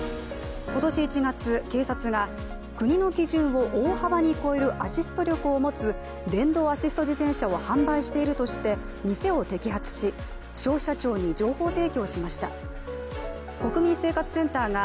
今年１月、警察が国の基準を大幅に超えるアシスト力を持つ電動アシスト自転車を販売しているとして店を摘発し消費者庁に情報提供しました。